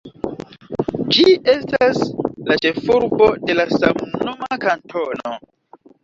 Ĝi estas la ĉefurbo de la samnoma kantono.